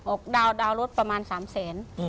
ออกดาวน์ดาวน์รถประมาณ๓เสน